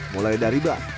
mulai dari bak